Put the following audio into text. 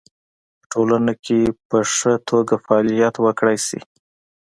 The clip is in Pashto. په ټولنه کې په خه توګه فعالیت وکړی شي